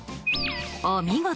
お見事！